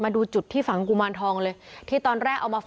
มาดูหุบที่ฝังกุมารทองเลย